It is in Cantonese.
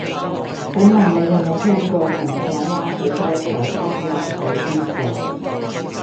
請問你有無聽過銀礦灣對開狗虱灣喺邊度